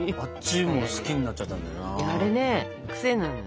あっちも好きになっちゃったんだよな。